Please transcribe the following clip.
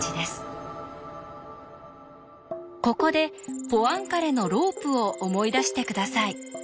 ここでポアンカレのロープを思い出して下さい。